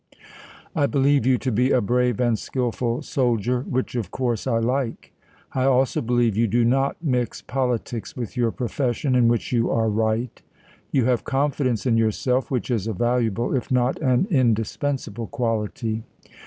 I believe you to be a brave and skillful soldier, which, of course, I like. I also believe you do not mix politics with your profession, in which you are right. You have confidence in yourself, which is a valuable, if not an indispensable, quality.